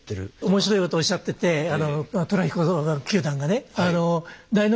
面白いことをおっしゃってて寅彦九段がね。